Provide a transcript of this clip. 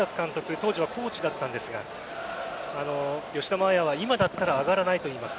当時はコーチだったんですが吉田麻也は今だったら上がらないと言います。